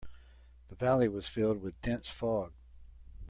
The valley was filled with dense fog.